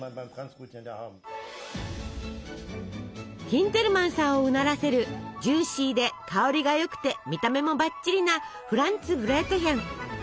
ヒンテルマンさんをうならせるジューシーで香りがよくて見た目もバッチリなフランツブレートヒェン。